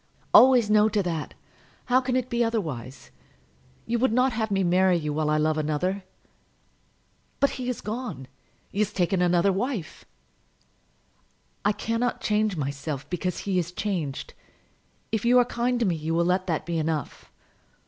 "Always no to that. How can it be otherwise? You would not have me marry you while I love another!" "But he is gone. He has taken another wife." "I cannot change myself because he is changed. If you are kind to me you will let that be enough."